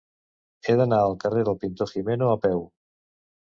He d'anar al carrer del Pintor Gimeno a peu.